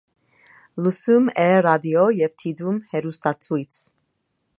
Լսում է ռադիո և դիտում հեռուստացույց։